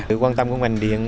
được quan tâm của mảnh điện